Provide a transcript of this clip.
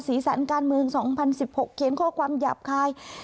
สีสันการเมือง๒๐๑๖เขียนข้อความหยาบคาย